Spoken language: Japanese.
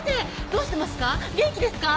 どうしてますか？